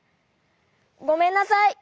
ごめんなさい。